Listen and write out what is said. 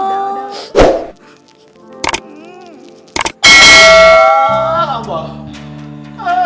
enggak enggak enggak